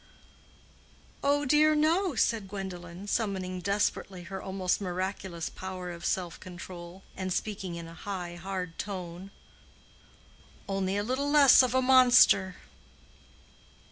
"Oh dear no!" said Gwendolen, summoning desperately her almost miraculous power of self control, and speaking in a high hard tone. "Only a little less of a monster."